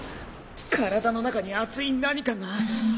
体の中に熱い何かが。